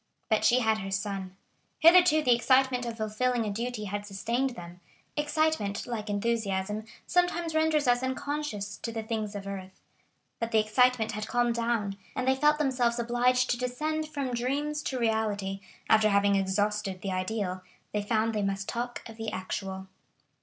But she had her son. Hitherto the excitement of fulfilling a duty had sustained them. Excitement, like enthusiasm, sometimes renders us unconscious to the things of earth. But the excitement had calmed down, and they felt themselves obliged to descend from dreams to reality; after having exhausted the ideal, they found they must talk of the actual.